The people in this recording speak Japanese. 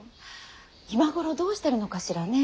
今頃どうしてるのかしらね。